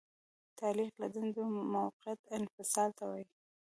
تعلیق له دندې موقت انفصال ته وایي.